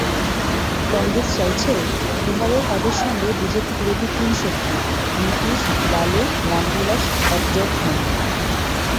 কংগ্রেস চাইছে, বিহারেও তাদের সঙ্গে বিজেপিবিরোধী তিন শক্তি, নিতীশ-লালু-রামবিলাস একজোট হোন।